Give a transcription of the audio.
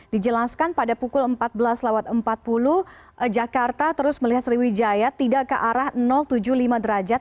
dijelaskan pada pukul empat belas empat puluh jakarta terus melihat sriwijaya tidak ke arah tujuh puluh lima derajat